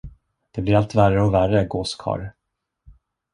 Det blir allt värre och värre, gåskarl.